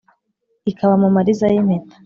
ikaba mu mariza y’ impeta,